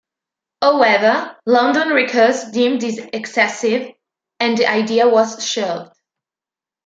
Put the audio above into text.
However, London Records deemed this excessive, and the idea was shelved.